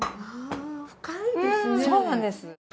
そうなんです。